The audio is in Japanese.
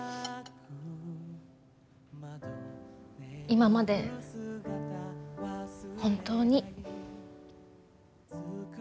今まで本当に。